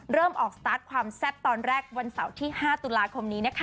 เริ่มออกสตาร์ทความแซ่บตอนแรกวันเสาร์ที่๕ตุลาคมนี้นะคะ